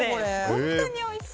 本当においしい。